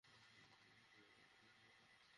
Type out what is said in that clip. নির্দিষ্ট করে বলুন?